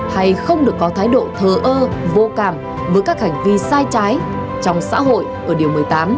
hay không được có thái độ thờ ơ vô cảm với các hành vi sai trái trong xã hội ở điều một mươi tám